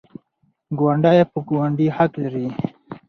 ګاونډی په ګاونډي حق لري.